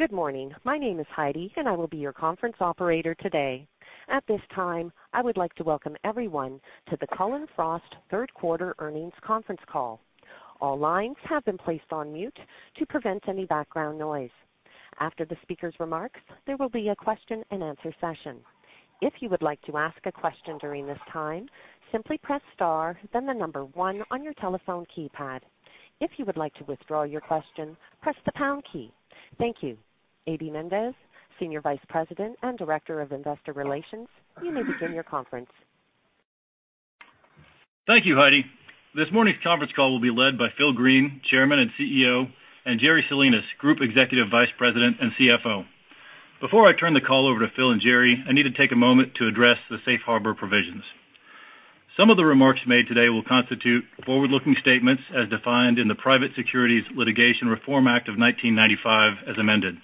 Good morning. My name is Heidi. I will be your conference operator today. At this time, I would like to welcome everyone to the Cullen/Frost third quarter earnings conference call. All lines have been placed on mute to prevent any background noise. After the speaker's remarks, there will be a question and answer session. If you would like to ask a question during this time, simply press star, then the number one on your telephone keypad. If you would like to withdraw your question, press the pound key. Thank you. A.B. Mendez, Senior Vice President and Director of Investor Relations, you may begin your conference. Thank you, Heidi. This morning's conference call will be led by Phil Green, Chairman and CEO, and Jerry Salinas, Group Executive Vice President and CFO. Before I turn the call over to Phil and Jerry, I need to take a moment to address the safe harbor provisions. Some of the remarks made today will constitute forward-looking statements as defined in the Private Securities Litigation Reform Act of 1995 as amended.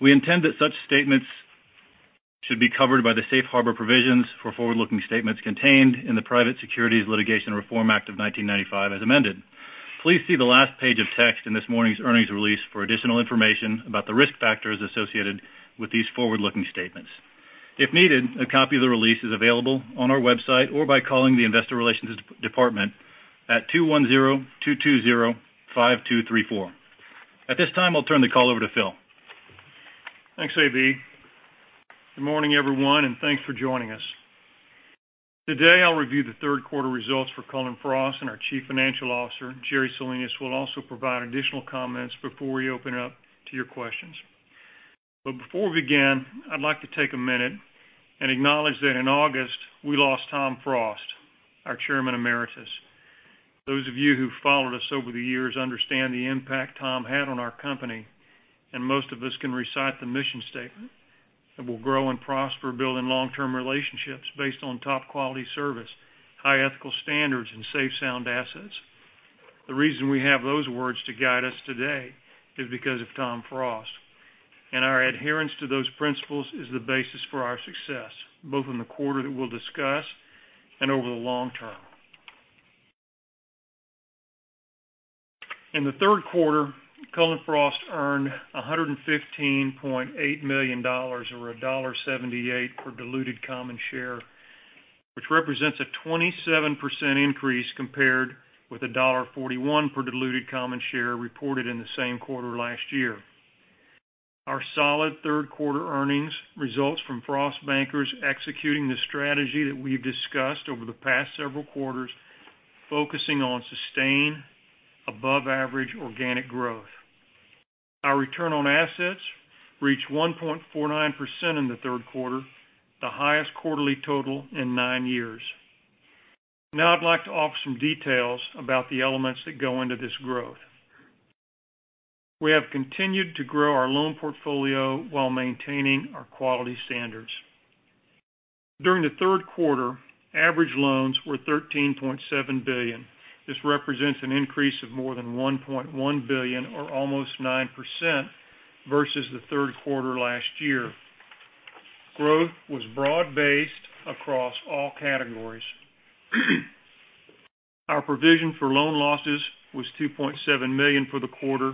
We intend that such statements should be covered by the safe harbor provisions for forward-looking statements contained in the Private Securities Litigation Reform Act of 1995 as amended. Please see the last page of text in this morning's earnings release for additional information about the risk factors associated with these forward-looking statements. If needed, a copy of the release is available on our website or by calling the investor relations department at 210-220-5234. At this time, I'll turn the call over to Phil. Thanks, A.B. Good morning, everyone. Thanks for joining us. Today, I'll review the third quarter results for Cullen/Frost. Our Chief Financial Officer, Jerry Salinas, will also provide additional comments before we open it up to your questions. Before we begin, I'd like to take a minute and acknowledge that in August, we lost Tom Frost, our chairman emeritus. Those of you who've followed us over the years understand the impact Tom had on our company. Most of us can recite the mission statement, that we'll grow and prosper building long-term relationships based on top quality service, high ethical standards, and safe sound assets. The reason we have those words to guide us today is because of Tom Frost. Our adherence to those principles is the basis for our success, both in the quarter that we'll discuss and over the long term. In the third quarter, Cullen/Frost earned $115.8 million, or $1.78 per diluted common share, which represents a 27% increase compared with $1.41 per diluted common share reported in the same quarter last year. Our solid third quarter earnings results from Frost bankers executing the strategy that we've discussed over the past several quarters, focusing on sustained above average organic growth. Our return on assets reached 1.49% in the third quarter, the highest quarterly total in nine years. I'd like to offer some details about the elements that go into this growth. We have continued to grow our loan portfolio while maintaining our quality standards. During the third quarter, average loans were $13.7 billion. This represents an increase of more than $1.1 billion or almost 9% versus the third quarter last year. Growth was broad-based across all categories. Our provision for loan losses was $2.7 million for the quarter,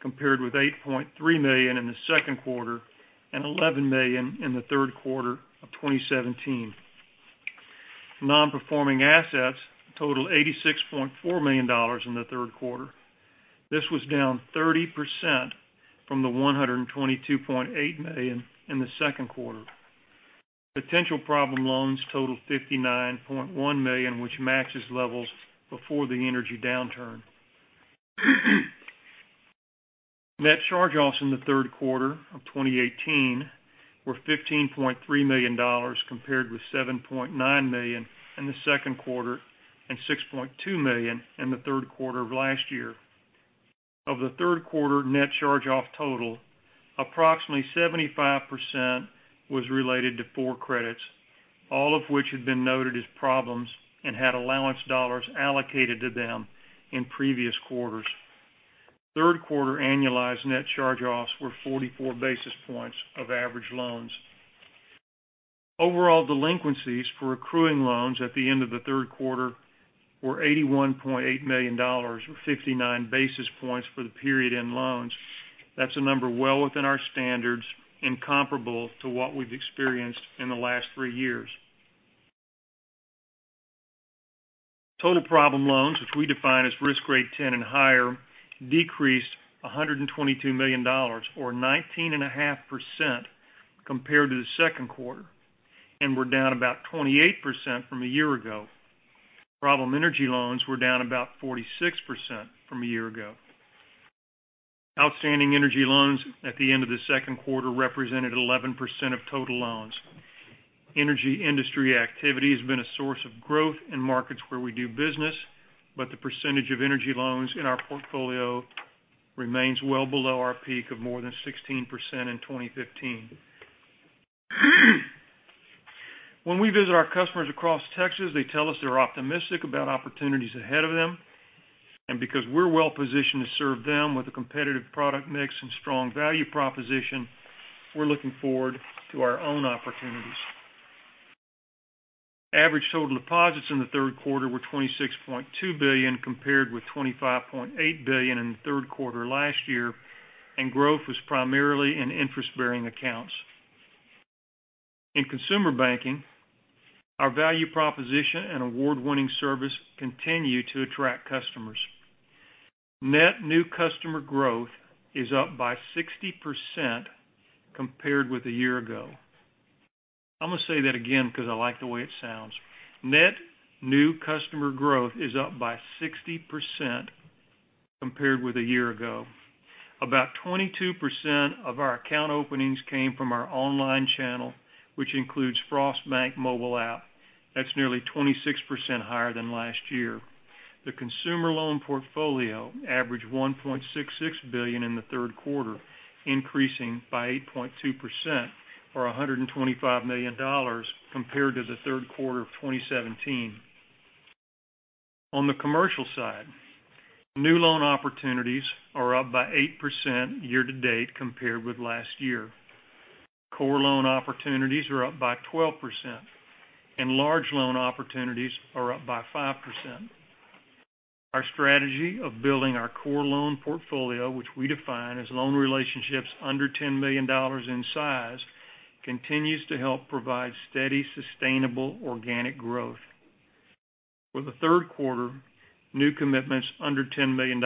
compared with $8.3 million in the second quarter and $11 million in the third quarter of 2017. Non-performing assets totaled $86.4 million in the third quarter. This was down 30% from the $122.8 million in the second quarter. Potential problem loans totaled $59.1 million, which matches levels before the energy downturn. Net charge-offs in the third quarter of 2018 were $15.3 million, compared with $7.9 million in the second quarter and $6.2 million in the third quarter of last year. Of the third quarter net charge-off total, approximately 75% was related to four credits, all of which had been noted as problems and had allowance dollars allocated to them in previous quarters. Third quarter annualized net charge-offs were 44 basis points of average loans. Overall delinquencies for accruing loans at the end of the third quarter were $81.8 million, or 59 basis points for the period in loans. That's a number well within our standards and comparable to what we've experienced in the last three years. Total problem loans, which we define as risk grade 10 and higher, decreased $122 million or 19.5% compared to the second quarter and were down about 28% from a year ago. Problem energy loans were down about 46% from a year ago. Outstanding energy loans at the end of the second quarter represented 11% of total loans. Energy industry activity has been a source of growth in markets where we do business, the percentage of energy loans in our portfolio remains well below our peak of more than 16% in 2015. When we visit our customers across Texas, they tell us they're optimistic about opportunities ahead of them. Because we're well positioned to serve them with a competitive product mix and strong value proposition, we're looking forward to our own opportunities. Average total deposits in the third quarter were $26.2 billion, compared with $25.8 billion in the third quarter last year, and growth was primarily in interest-bearing accounts. In consumer banking, our value proposition and award-winning service continue to attract customers. Net new customer growth is up by 60% compared with a year ago. I'm going to say that again because I like the way it sounds. Net new customer growth is up by 60% compared with a year ago. About 22% of our account openings came from our online channel, which includes Frost Bank app. That's nearly 26% higher than last year. The consumer loan portfolio averaged $1.66 billion in the third quarter, increasing by 8.2%, or $125 million compared to the third quarter of 2017. On the commercial side, new loan opportunities are up by 8% year to date compared with last year. Core loan opportunities are up by 12%, and large loan opportunities are up by 5%. Our strategy of building our core loan portfolio, which we define as loan relationships under $10 million in size, continues to help provide steady, sustainable organic growth. For the third quarter, new commitments under $10 million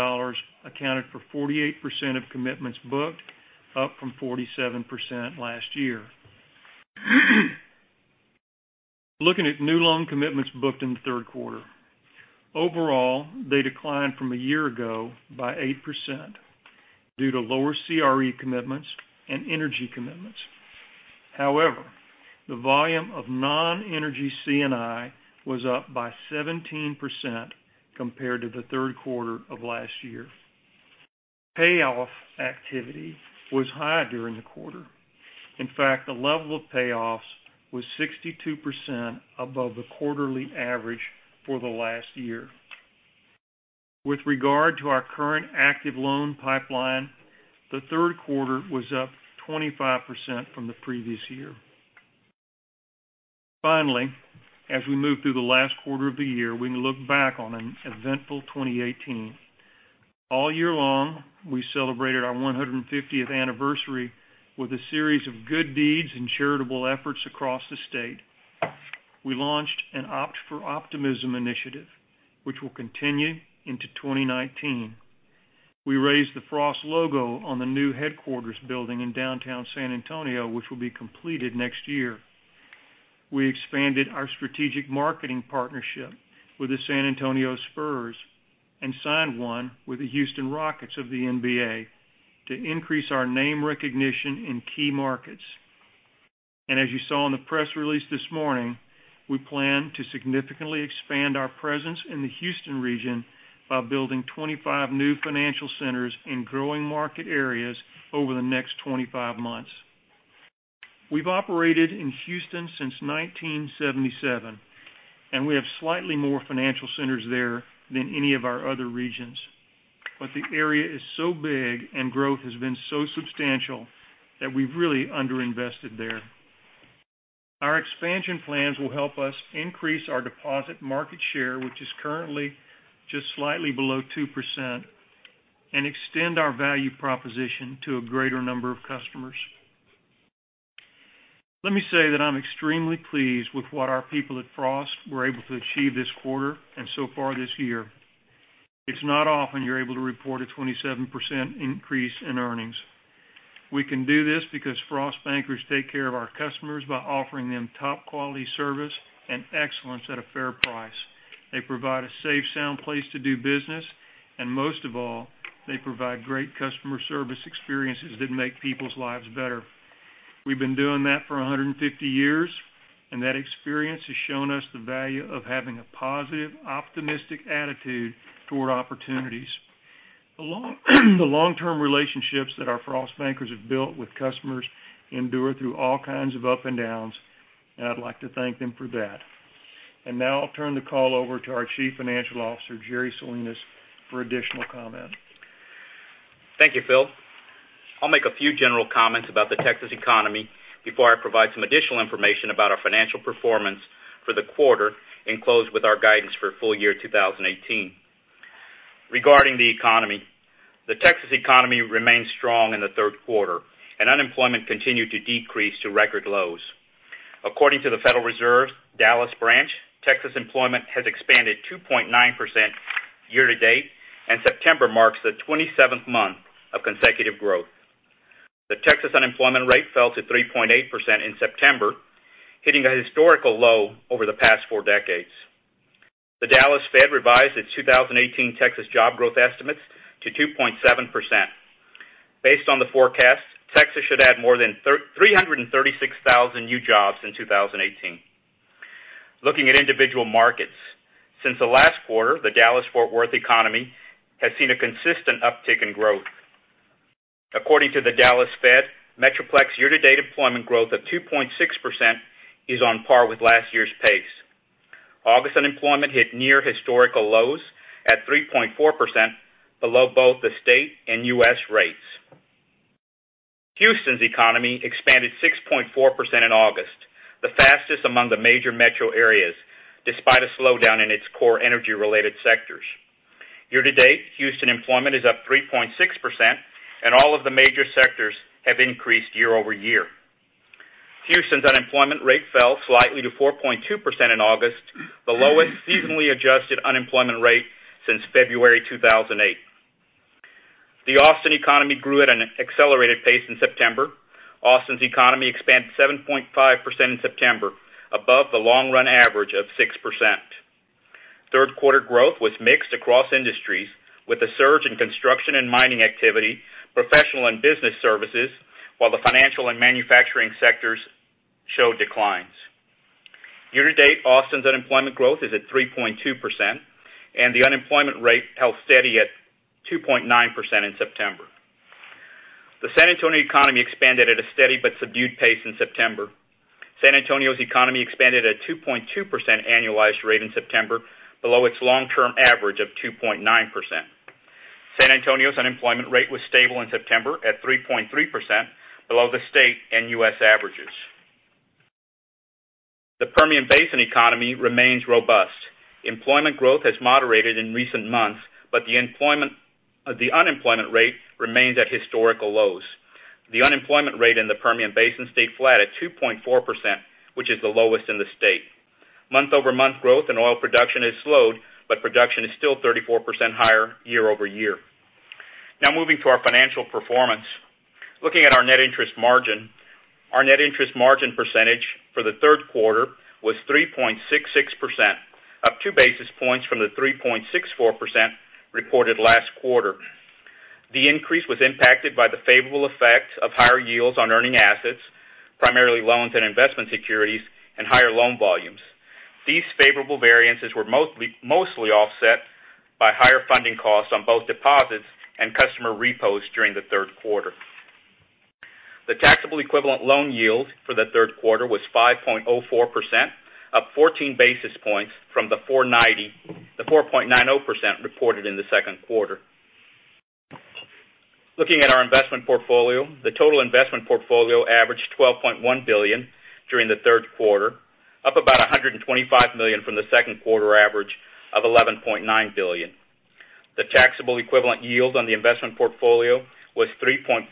accounted for 48% of commitments booked, up from 47% last year. Looking at new loan commitments booked in the third quarter. Overall, they declined from a year ago by 8% due to lower CRE commitments and energy commitments. However, the volume of non-energy C&I was up by 17% compared to the third quarter of last year. Payoff activity was high during the quarter. In fact, the level of payoffs was 62% above the quarterly average for the last year. With regard to our current active loan pipeline, the third quarter was up 25% from the previous year. Finally, as we move through the last quarter of the year, we can look back on an eventful 2018. All year long, we celebrated our 150th anniversary with a series of good deeds and charitable efforts across the state. We launched an Opt for Optimism initiative, which will continue into 2019. We raised the Frost logo on the new headquarters building in downtown San Antonio, which will be completed next year. We expanded our strategic marketing partnership with the San Antonio Spurs and signed one with the Houston Rockets of the NBA to increase our name recognition in key markets. As you saw in the press release this morning, we plan to significantly expand our presence in the Houston region by building 25 new financial centers in growing market areas over the next 25 months. We've operated in Houston since 1977, and we have slightly more financial centers there than any of our other regions. The area is so big and growth has been so substantial that we've really underinvested there. Our expansion plans will help us increase our deposit market share, which is currently just slightly below 2%, and extend our value proposition to a greater number of customers. Let me say that I'm extremely pleased with what our people at Frost were able to achieve this quarter and so far this year. It's not often you're able to report a 27% increase in earnings. We can do this because Frost bankers take care of our customers by offering them top quality service and excellence at a fair price. They provide a safe, sound place to do business, and most of all, they provide great customer service experiences that make people's lives better. We've been doing that for 150 years, and that experience has shown us the value of having a positive, optimistic attitude toward opportunities. The long-term relationships that our Frost bankers have built with customers endure through all kinds of up and downs, and I'd like to thank them for that. Now I'll turn the call over to our Chief Financial Officer, Jerry Salinas, for additional comment. Thank you, Phil. I'll make a few general comments about the Texas economy before I provide some additional information about our financial performance for the quarter and close with our guidance for full year 2018. Regarding the economy, the Texas economy remained strong in the third quarter, and unemployment continued to decrease to record lows. According to the Federal Reserve Bank of Dallas, Texas employment has expanded 2.9% year to date, and September marks the 27th month of consecutive growth. The Texas unemployment rate fell to 3.8% in September, hitting a historical low over the past four decades. The Dallas Fed revised its 2018 Texas job growth estimates to 2.7%. Based on the forecast, Texas should add more than 336,000 new jobs in 2018. Looking at individual markets, since the last quarter, the Dallas-Fort Worth economy has seen a consistent uptick in growth. According to the Dallas Fed, Metroplex year-to-date employment growth of 2.6% is on par with last year's pace. August unemployment hit near historical lows at 3.4%, below both the state and U.S. rates. Houston's economy expanded 6.4% in August, the fastest among the major metro areas, despite a slowdown in its core energy-related sectors. Year-to-date, Houston employment is up 3.6%, and all of the major sectors have increased year-over-year. Houston's unemployment rate fell slightly to 4.2% in August, the lowest seasonally adjusted unemployment rate since February 2008. The Austin economy grew at an accelerated pace in September. Austin's economy expanded 7.5% in September, above the long-run average of 6%. Third quarter growth was mixed across industries, with a surge in construction and mining activity, professional and business services, while the financial and manufacturing sectors showed declines. Year-to-date, Austin's unemployment growth is at 3.2%, and the unemployment rate held steady at 2.9% in September. The San Antonio economy expanded at a steady but subdued pace in September. San Antonio's economy expanded at 2.2% annualized rate in September, below its long-term average of 2.9%. San Antonio's unemployment rate was stable in September at 3.3%, below the state and U.S. averages. The Permian Basin economy remains robust. Employment growth has moderated in recent months, but the unemployment rate remains at historical lows. The unemployment rate in the Permian Basin stayed flat at 2.4%, which is the lowest in the state. Month-over-month growth in oil production has slowed, but production is still 34% higher year-over-year. Now moving to our financial performance. Looking at our net interest margin, our net interest margin percentage for the third quarter was 3.66%, up two basis points from the 3.64% reported last quarter. These favorable variances were mostly offset by higher funding costs on both deposits and customer repos during the third quarter. The taxable equivalent loan yield for the third quarter was 5.04%, up 14 basis points from the 4.90% reported in the second quarter. Looking at our investment portfolio, the total investment portfolio averaged $12.1 billion during the third quarter, up about $125 million from the second quarter average of $11.9 billion. The taxable equivalent yield on the investment portfolio was 3.41%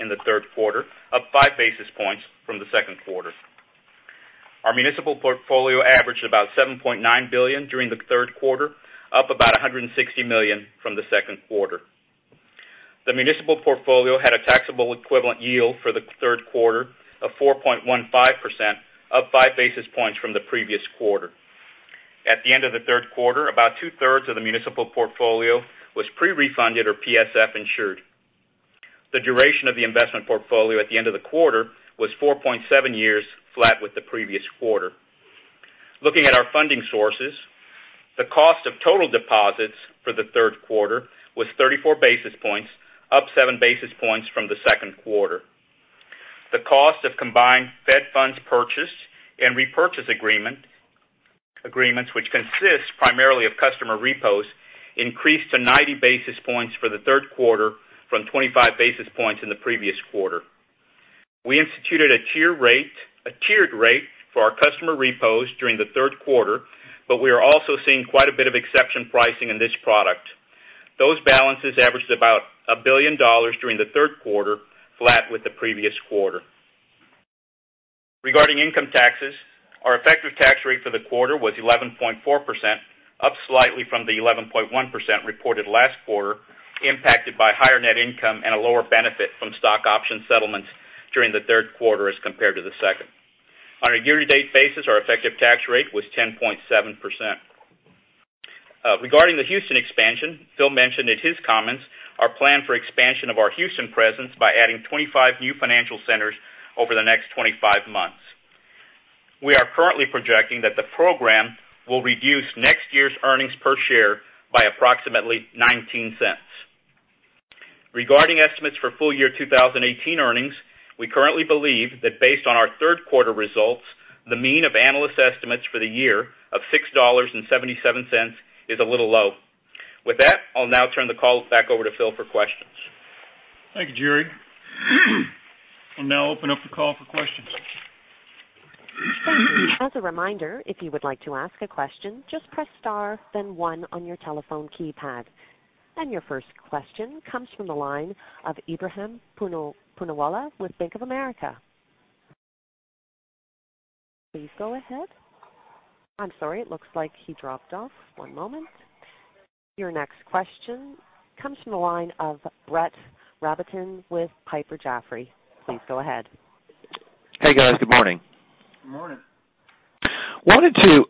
in the third quarter, up five basis points from the second quarter. Our municipal portfolio averaged about $7.9 billion during the third quarter, up about $160 million from the second quarter. The municipal portfolio had a taxable equivalent yield for the third quarter of 4.15%, up five basis points from the previous quarter. At the end of the third quarter, about two-thirds of the municipal portfolio was pre-refunded or PSF insured. The duration of the investment portfolio at the end of the quarter was 4.7 years, flat with the previous quarter. Looking at our funding sources, the cost of total deposits for the third quarter was 34 basis points, up seven basis points from the second quarter. The cost of combined Fed funds purchased and repurchase agreements, which consist primarily of customer repos, increased to 90 basis points for the third quarter from 25 basis points in the previous quarter. We instituted a tiered rate for our customer repos during the third quarter, but we are also seeing quite a bit of exception pricing in this product. Those balances averaged about $1 billion during the third quarter, flat with the previous quarter. Regarding income taxes, our effective tax rate for the quarter was 11.4%, up slightly from the 11.1% reported last quarter, impacted by higher net income and a lower benefit from stock option settlements during the third quarter as compared to the second. On a year-to-date basis, our effective tax rate was 10.7%. Regarding the Houston expansion, Phil mentioned in his comments our plan for expansion of our Houston presence by adding 25 new financial centers over the next 25 months. We are currently projecting that the program will reduce next year's earnings per share by approximately $0.19. Regarding estimates for full-year 2018 earnings, we currently believe that based on our third quarter results, the mean of analyst estimates for the year of $6.77 is a little low. With that, I'll now turn the call back over to Phil for questions. Thank you, Jerry. We'll now open up the call for questions. As a reminder, if you would like to ask a question, just press star then one on your telephone keypad. Your first question comes from the line of Ebrahim Poonawala with Bank of America. Please go ahead. I'm sorry, it looks like he dropped off. One moment. Your next question comes from the line of Brett Rabatin with Piper Jaffray. Please go ahead. Hey, guys. Good morning. Good morning. I wanted to,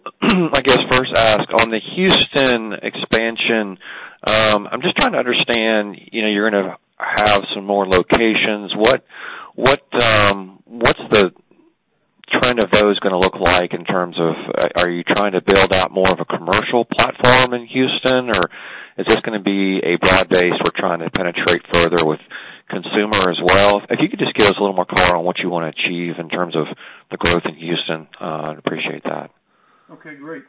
I guess, first ask on the Houston expansion. I'm just trying to understand, you're going to have some more locations. What's the trend of those going to look like in terms of, are you trying to build out more of a commercial platform in Houston, or is this going to be a broad base we're trying to penetrate further with consumer as well? If you could just give us a little more color on what you want to achieve in terms of the growth in Houston, I'd appreciate that. Okay, great.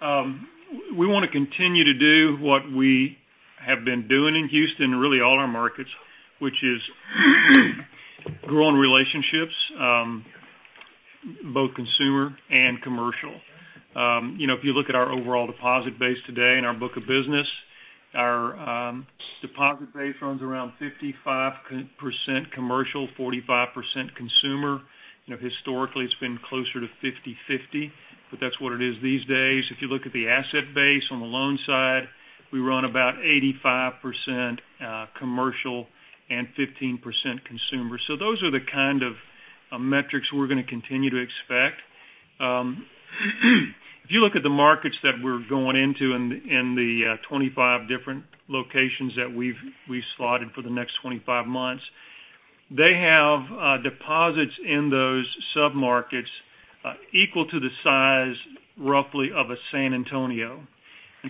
We want to continue to do what we have been doing in Houston, really all our markets, which is growing relationships, both consumer and commercial. If you look at our overall deposit base today and our book of business, our deposit base runs around 55% commercial, 45% consumer. Historically, it's been closer to 50/50, but that's what it is these days. If you look at the asset base on the loan side, we run about 85% commercial and 15% consumer. Those are the kind of metrics we're going to continue to expect. If you look at the markets that we're going into in the 25 different locations that we've slotted for the next 25 months, they have deposits in those sub-markets equal to the size, roughly, of a San Antonio.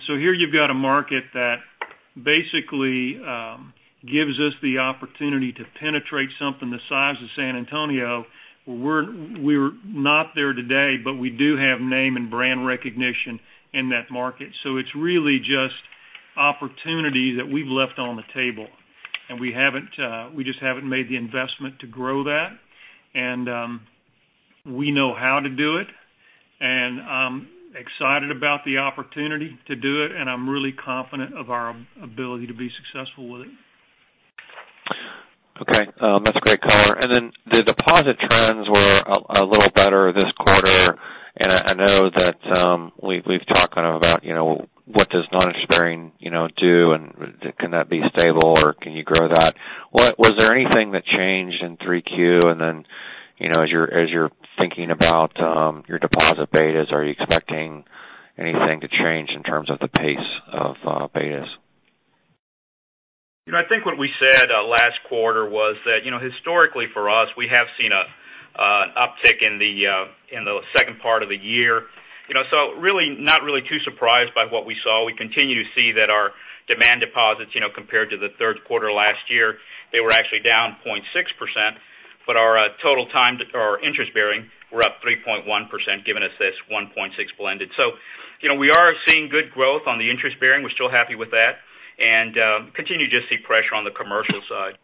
Here you've got a market that basically gives us the opportunity to penetrate something the size of San Antonio, where we're not there today, but we do have name and brand recognition in that market. It's really just opportunity that we've left on the table, and we just haven't made the investment to grow that, and we know how to do it. I'm excited about the opportunity to do it, and I'm really confident of our ability to be successful with it. Okay, that's a great color. The deposit trends were a little better this quarter, and I know that we've talked kind of about what does non-interest-bearing do, and can that be stable, or can you grow that? Was there anything that changed in Q3? As you're thinking about your deposit betas, are you expecting anything to change in terms of the pace of betas? I think what we said last quarter was that historically for us, we have seen an uptick in the second part of the year. Really not really too surprised by what we saw. We continue to see that our demand deposits, compared to the third quarter last year, they were actually down 0.6%, but our interest-bearing were up 3.1%, giving us this 1.6 blended. We are seeing good growth on the interest bearing. We're still happy with that and continue to just see pressure on the commercial side.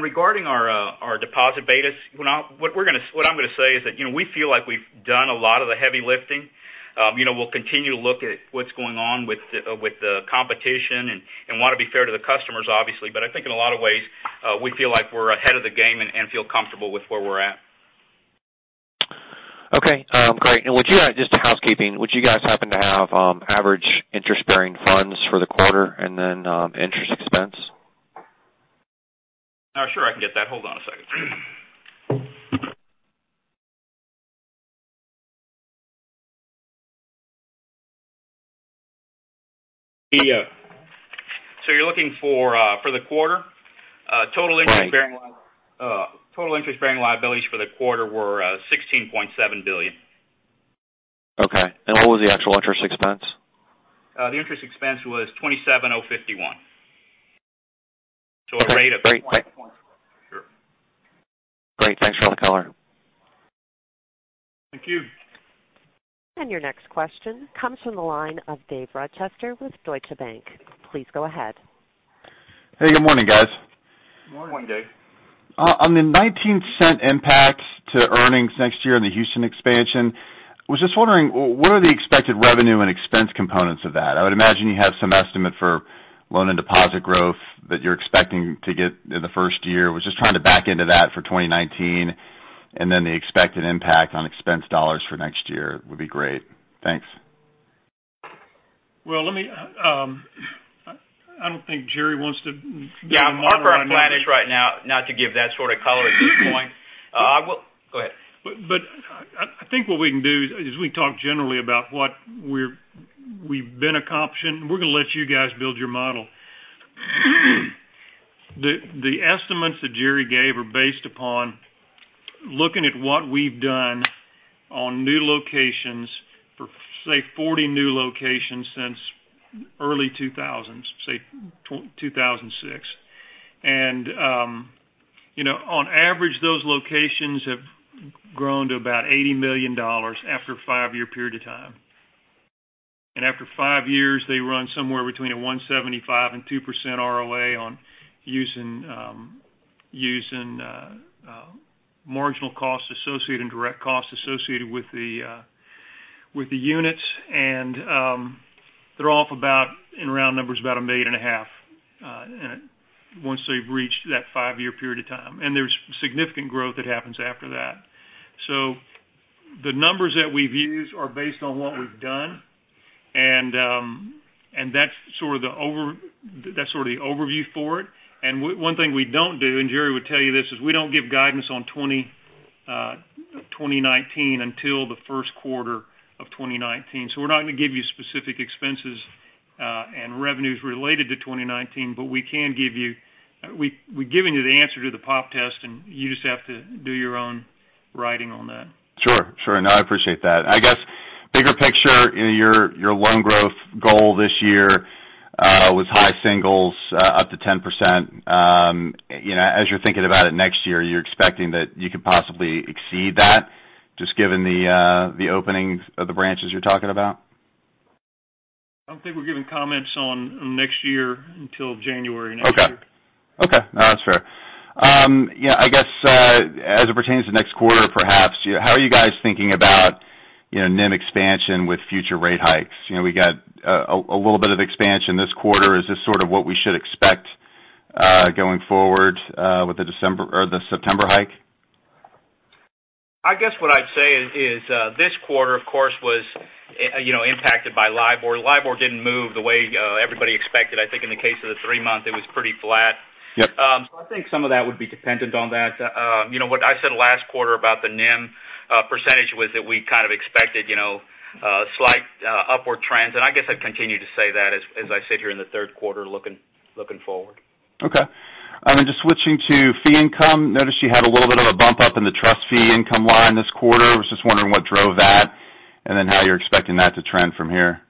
Regarding our deposit betas, what I'm going to say is that we feel like we've done a lot of the heavy lifting. We'll continue to look at what's going on with the competition and want to be fair to the customers, obviously. I think in a lot of ways, we feel like we're ahead of the game and feel comfortable with where we're at. Okay, great. Just housekeeping, would you guys happen to have average interest-bearing funds for the quarter, and then interest expense? Sure, I can get that. Hold on a second. You're looking for the quarter? Right. Total interest-bearing liabilities for the quarter were $16.7 billion. Okay. What was the actual interest expense? The interest expense was $27,051. Great. Sure. Great. Thanks for all the color. Thank you. Your next question comes from the line of David Rochester with Deutsche Bank. Please go ahead. Hey, good morning, guys. Morning, Dave. On the $0.19 impact to earnings next year and the Houston expansion, was just wondering, what are the expected revenue and expense components of that? I would imagine you have some estimate for loan and deposit growth that you're expecting to get in the first year. Was just trying to back into that for 2019, and then the expected impact on expense dollars for next year would be great. Thanks. Well, I don't think Jerry wants to- Yeah, our current plan is right now not to give that sort of color at this point. Go ahead. I think what we can do is we can talk generally about what we've been accomplishing. We're going to let you guys build your model. The estimates that Jerry gave are based upon looking at what we've done on new locations for, say, 40 new locations since early 2000s, say 2006. On average, those locations have grown to about $80 million after a five-year period of time. After five years, they run somewhere between a 1.75% and 2% ROA on using marginal cost associated and direct costs associated with the units. They're off about, in round numbers, about a million and a half once they've reached that five-year period of time, and there's significant growth that happens after that. The numbers that we've used are based on what we've done, and that's sort of the overview for it. One thing we don't do, and Jerry would tell you this, is we don't give guidance on 2019 until the first quarter of 2019. We're not going to give you specific expenses and revenues related to 2019, we've given you the answer to the pop test, and you just have to do your own writing on that. Sure. No, I appreciate that. I guess, bigger picture, your loan growth goal this year was high singles up to 10%. As you're thinking about it next year, you're expecting that you could possibly exceed that, just given the openings of the branches you're talking about? I don't think we're giving comments on next year until January next year. Okay. No, that's fair. I guess, as it pertains to next quarter perhaps, how are you guys thinking about NIM expansion with future rate hikes? We got a little bit of expansion this quarter. Is this sort of what we should expect going forward with the September hike? I guess what I'd say is this quarter, of course, was impacted by LIBOR. LIBOR didn't move the way everybody expected. I think in the case of the three-month, it was pretty flat. Yep. I think some of that would be dependent on that. What I said last quarter about the NIM % was that we kind of expected slight upward trends, and I guess I'd continue to say that as I sit here in the third quarter looking forward. Okay. Just switching to fee income, noticed you had a little bit of a bump up in the trust fee income line this quarter. Was just wondering what drove that, and then how you're expecting that to trend from here.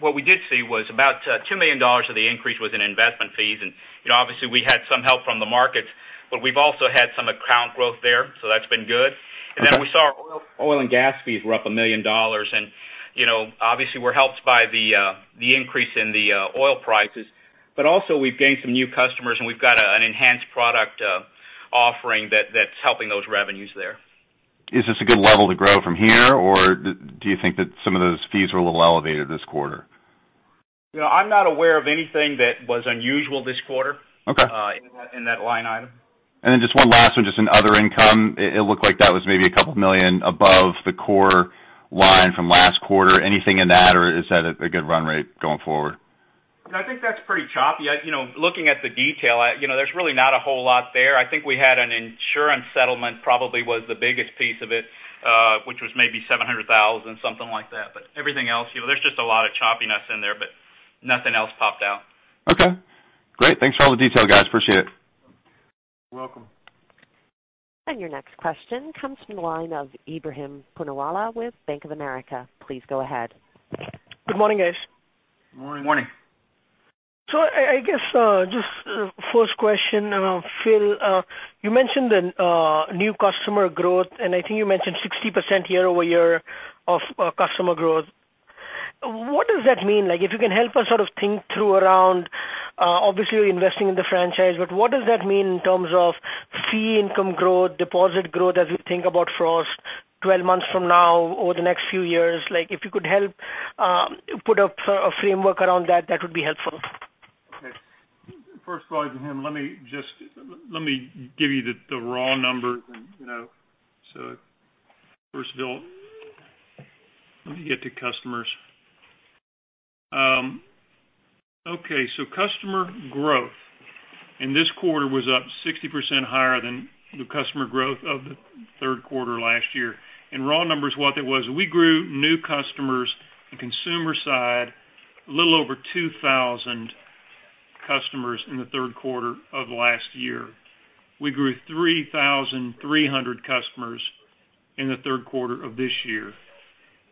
What we did see was about $2 million of the increase was in investment fees, and obviously, we had some help from the markets, but we've also had some account growth there, so that's been good. Okay. We saw our oil and gas fees were up $1 million, and obviously, we're helped by the increase in the oil prices. Also, we've gained some new customers, and we've got an enhanced product offering that's helping those revenues there. Is this a good level to grow from here, or do you think that some of those fees were a little elevated this quarter? I'm not aware of anything that was unusual this quarter. Okay In that line item. Just one last one, just in other income, it looked like that was maybe a couple of million above the core line from last quarter. Anything in that, or is that a good run rate going forward? No, I think that's pretty choppy. Looking at the detail, there's really not a whole lot there. I think we had an insurance settlement probably was the biggest piece of it, which was maybe $700,000, something like that. Everything else, there's just a lot of choppiness in there, but nothing else popped out. Okay, great. Thanks for all the detail, guys. Appreciate it. You're welcome. Your next question comes from the line of Ebrahim Poonawala with Bank of America. Please go ahead. Good morning, guys. Good morning. Morning. I guess just first question, Phil, you mentioned the new customer growth, and I think you mentioned 60% year-over-year of customer growth. What does that mean? If you can help us sort of think through around, obviously, you're investing in the franchise, but what does that mean in terms of fee income growth, deposit growth as we think about Frost 12 months from now or the next few years? If you could help put a framework around that would be helpful. Okay. First of all, Ebrahim, let me give you the raw numbers. First of all, let me get to customers. Customer growth in this quarter was up 60% higher than the customer growth of the third quarter last year. In raw numbers, what that was, we grew new customers in consumer side a little over 2,000 customers in the third quarter of last year. We grew 3,300 customers in the third quarter of this year,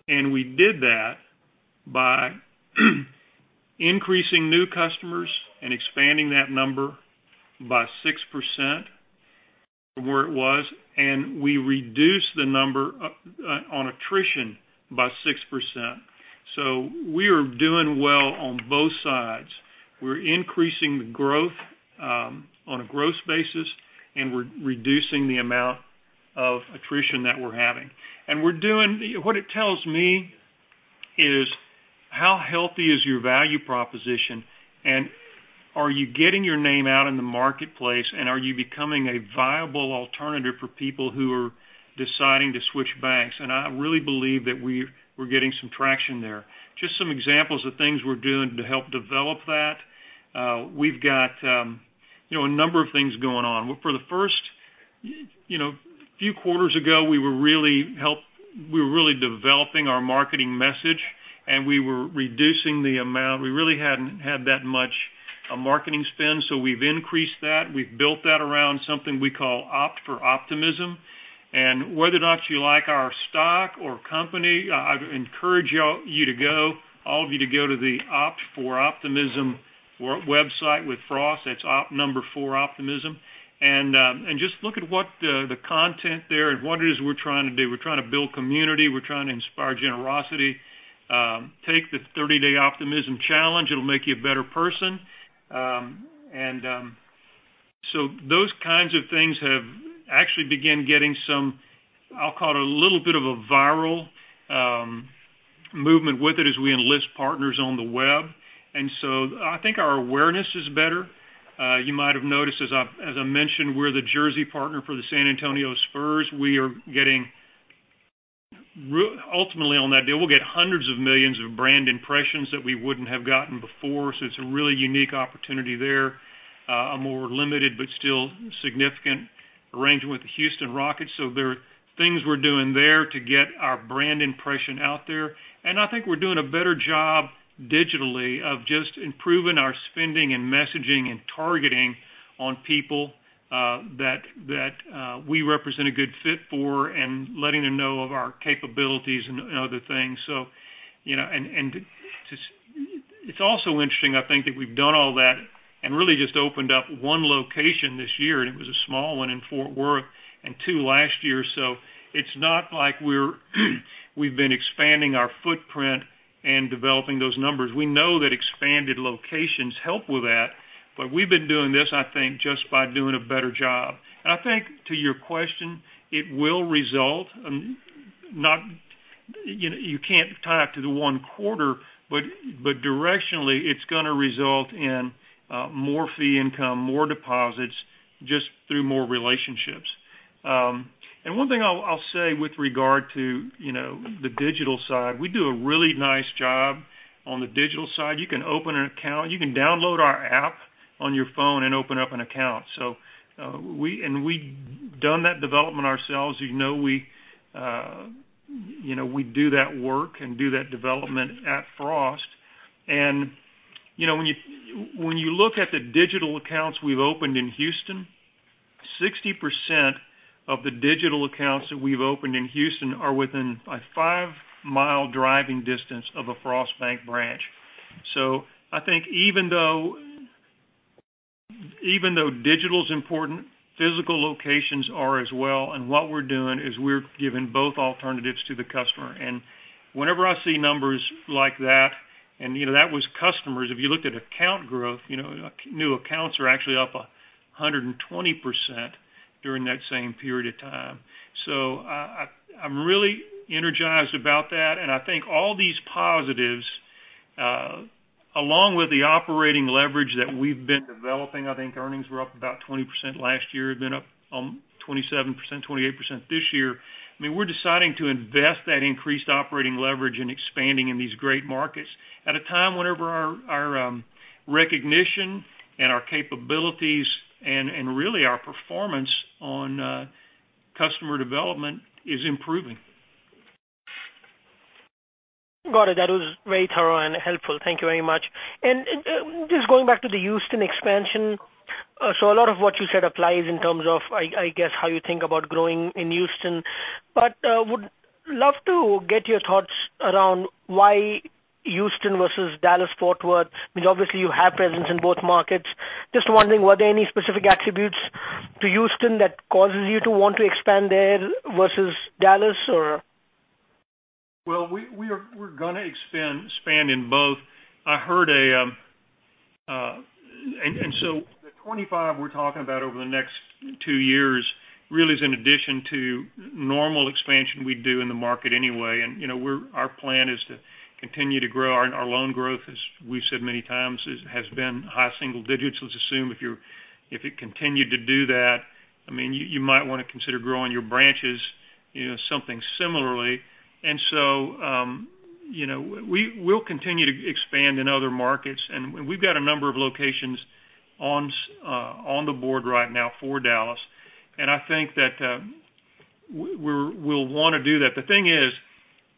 and we did that by increasing new customers and expanding that number by 6% from where it was, and we reduced the number on attrition by 6%. We are doing well on both sides. We're increasing the growth on a gross basis, and we're reducing the amount of attrition that we're having. What it tells me is how healthy is your value proposition, and are you getting your name out in the marketplace, and are you becoming a viable alternative for people who are deciding to switch banks? I really believe that we're getting some traction there. Just some examples of things we're doing to help develop that. We've got a number of things going on. For the first few quarters ago, we were really developing our marketing message, and we were reducing the amount. We really hadn't had that much a marketing spend. We've increased that. We've built that around something we call Opt for Optimism. Whether or not you like our stock or company, I encourage all of you to go to the Opt for Optimism website with Frost. That's optforoptimism. Just look at what the content there and what it is we're trying to do. We're trying to build community. We're trying to inspire generosity. Take the 30-day optimism challenge. It'll make you a better person. Those kinds of things have actually began getting some, I'll call it, a little bit of a viral movement with it as we enlist partners on the web. I think our awareness is better. You might have noticed, as I mentioned, we're the jersey partner for the San Antonio Spurs. Ultimately on that deal, we'll get hundreds of millions of brand impressions that we wouldn't have gotten before. It's a really unique opportunity there. A more limited but still significant arrangement with the Houston Rockets. There are things we're doing there to get our brand impression out there. I think we're doing a better job digitally of just improving our spending and messaging and targeting on people that we represent a good fit for and letting them know of our capabilities and other things. It's also interesting, I think, that we've done all that and really just opened up one location this year, and it was a small one in Fort Worth, and two last year. It's not like we've been expanding our footprint and developing those numbers. We know that expanded locations help with that, but we've been doing this, I think, just by doing a better job. I think, to your question, it will result, you can't tie it to the one quarter, but directionally it's going to result in more fee income, more deposits, just through more relationships. One thing I'll say with regard to the digital side, we do a really nice job on the digital side. You can open an account. You can download our app on your phone and open up an account. We've done that development ourselves. We do that work and do that development at Frost. When you look at the digital accounts we've opened in Houston, 60% of the digital accounts that we've opened in Houston are within a 5-mile driving distance of a Frost Bank branch. I think even though digital's important, physical locations are as well, and what we're doing is we're giving both alternatives to the customer. Whenever I see numbers like that, and that was customers, if you looked at account growth, new accounts are actually up 120% during that same period of time. I am really energized about that, and I think all these positives, along with the operating leverage that we've been developing, I think earnings were up about 20% last year, been up 27%, 28% this year. We are deciding to invest that increased operating leverage in expanding in these great markets at a time whenever our recognition and our capabilities and really our performance on customer development is improving. Got it. That was very thorough and helpful. Thank you very much. Just going back to the Houston expansion, so a lot of what you said applies in terms of, I guess, how you think about growing in Houston. Would love to get your thoughts around why Houston versus Dallas-Fort Worth, because obviously you have presence in both markets. Just wondering, were there any specific attributes to Houston that causes you to want to expand there versus Dallas, or? Well, we are going to expand in both. The 25 we are talking about over the next two years really is in addition to normal expansion we do in the market anyway, and our plan is to continue to grow. Our loan growth, as we've said many times, has been high single digits. Let's assume if it continued to do that, you might want to consider growing your branches something similarly. We will continue to expand in other markets, and we've got a number of locations on the board right now for Dallas, and I think that we will want to do that. The thing is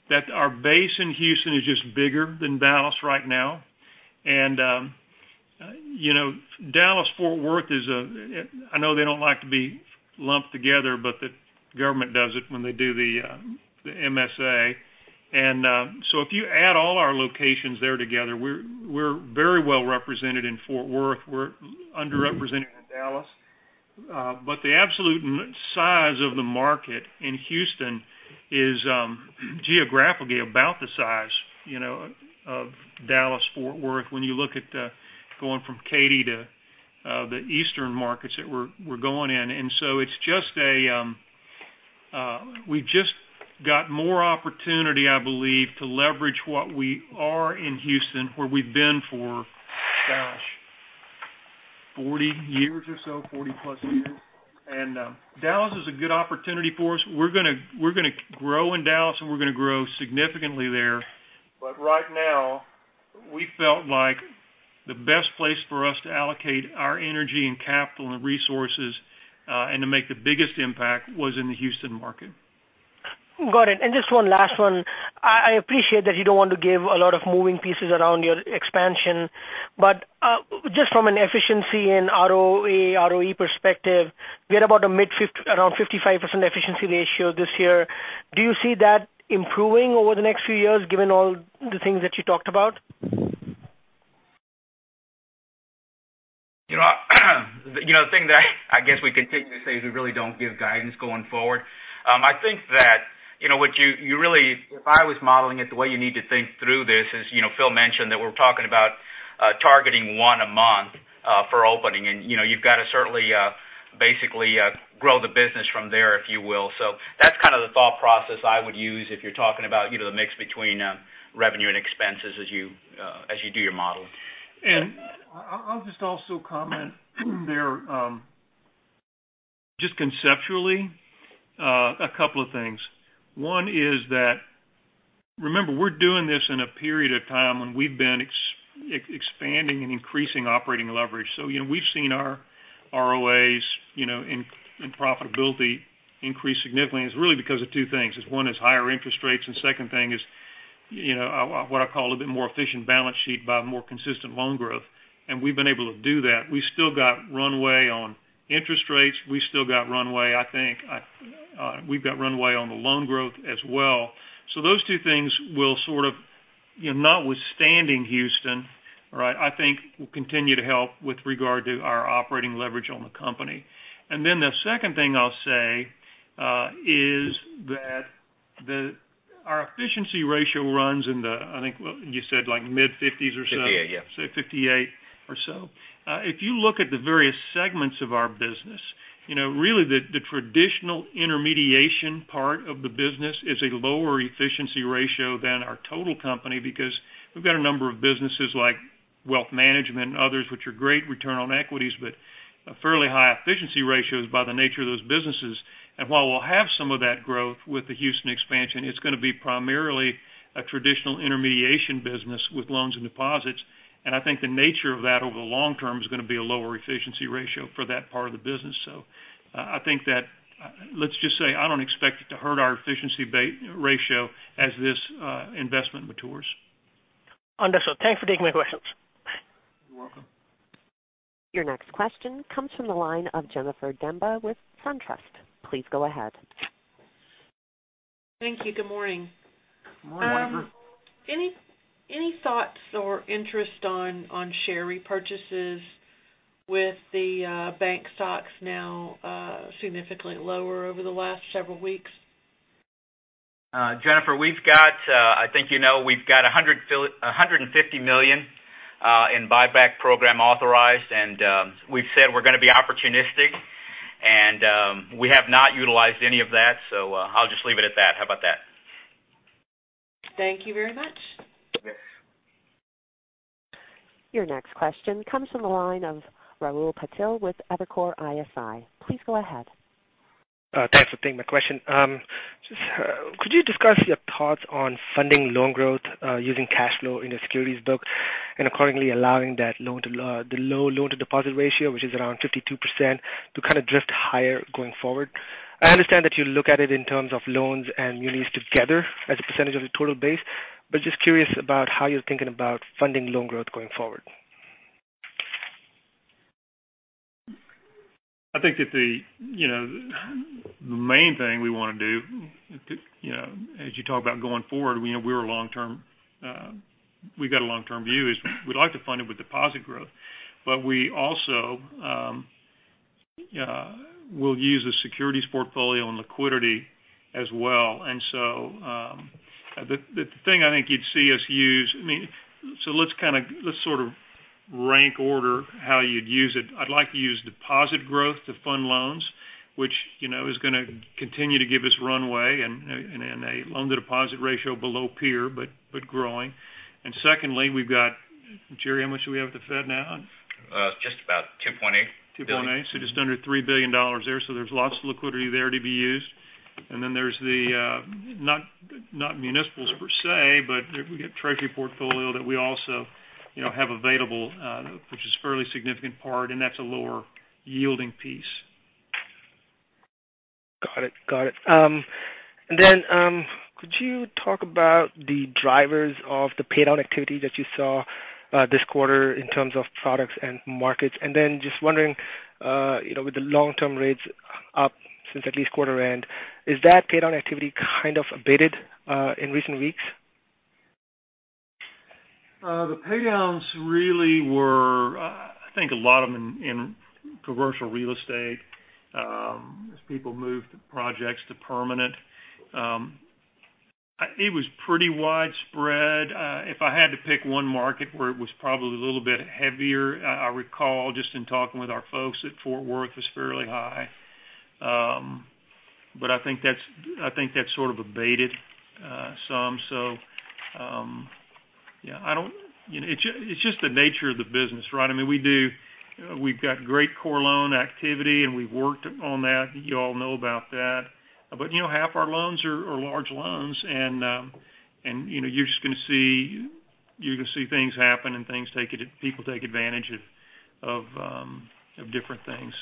that our base in Houston is just bigger than Dallas right now. Dallas-Fort Worth, I know they don't like to be lumped together, but the government does it when they do the MSA. If you add all our locations there together, we are very well represented in Fort Worth. We are underrepresented in Dallas. The absolute size of the market in Houston is geographically about the size of Dallas-Fort Worth when you look at going from Katy to the eastern markets that we are going in. We've just got more opportunity, I believe, to leverage what we are in Houston, where we've been for, gosh, 40 years or so, 40-plus years. Dallas is a good opportunity for us. We are going to grow in Dallas, and we are going to grow significantly there. Right now, we felt like the best place for us to allocate our energy and capital and resources, and to make the biggest impact was in the Houston market. Got it. Just one last one. I appreciate that you don't want to give a lot of moving pieces around your expansion, but just from an efficiency and ROA, ROE perspective, we are about a mid around 55% efficiency ratio this year. Do you see that improving over the next few years, given all the things that you talked about? The thing that I guess we continue to say is we really don't give guidance going forward. I think that, if I was modeling it, the way you need to think through this is, Phil mentioned that we're talking about targeting one a month for opening, you've got to certainly basically grow the business from there, if you will. That's kind of the thought process I would use if you're talking about the mix between revenue and expenses as you do your modeling. I'll just also comment there, just conceptually, a couple of things. One is that, remember, we're doing this in a period of time when we've been expanding and increasing operating leverage. We've seen our profitability increased significantly is really because of two things, is one is higher interest rates, second thing is, what I call a bit more efficient balance sheet by more consistent loan growth. We've been able to do that. We still got runway on interest rates. We've got runway on the loan growth as well. Those two things will sort of, notwithstanding Houston, I think will continue to help with regard to our operating leverage on the company. The second thing I'll say, is that our efficiency ratio runs in the, I think, you said like mid-50s or so. 58, yeah. Say 58 or so. If you look at the various segments of our business, really the traditional intermediation part of the business is a lower efficiency ratio than our total company because we've got a number of businesses like wealth management and others, which are great return on equities, but fairly high efficiency ratios by the nature of those businesses. While we'll have some of that growth with the Houston expansion, it's going to be primarily a traditional intermediation business with loans and deposits. I think the nature of that over the long term is going to be a lower efficiency ratio for that part of the business. I think that, let's just say, I don't expect it to hurt our efficiency ratio as this investment matures. Understood. Thanks for taking my questions. You're welcome. Your next question comes from the line of Jennifer Demba with SunTrust. Please go ahead. Thank you. Good morning. Good morning, Jennifer. Any thoughts or interest on share repurchases with the bank stocks now significantly lower over the last several weeks? Jennifer, I think you know we've got $150 million in buyback program authorized, and we've said we're going to be opportunistic, and we have not utilized any of that, so I'll just leave it at that. How about that? Thank you very much. Yes. Your next question comes from the line of John Pancari with Evercore ISI. Please go ahead. Thanks for taking my question. Could you discuss your thoughts on funding loan growth using cash flow in the securities book and accordingly allowing the low loan-to-deposit ratio, which is around 52%, to kind of drift higher going forward? I understand that you look at it in terms of loans and munis together as a percentage of the total base, but just curious about how you're thinking about funding loan growth going forward. I think that the main thing we want to do, as you talk about going forward, we've got a long-term view, is we'd like to fund it with deposit growth. We also will use the securities portfolio and liquidity as well. The thing I think you'd see us use, I mean, let's sort of rank order how you'd use it. I'd like to use deposit growth to fund loans, which is going to continue to give us runway and a loan-to-deposit ratio below peer, but growing. Secondly, we've got, Jerry, how much do we have at the Fed now? Just about $2.8 billion. $2.8 billion, just under $3 billion there. There's lots of liquidity there to be used. There's the, not municipals per se, but we get treasury portfolio that we also have available, which is a fairly significant part, and that's a lower yielding piece. Got it. Could you talk about the drivers of the paydown activity that you saw this quarter in terms of products and markets? Just wondering, with the long-term rates up since at least quarter end, is that paydown activity kind of abated in recent weeks? The paydowns really were, I think a lot of them in commercial real estate, as people moved projects to permanent. It was pretty widespread. If I had to pick one market where it was probably a little bit heavier, I recall just in talking with our folks at Fort Worth, it was fairly high. I think that sort of abated some. It's just the nature of the business, right? I mean, we've got great core loan activity, and we've worked on that. You all know about that. Half our loans are large loans and you're just going to see things happen and people take advantage of different things.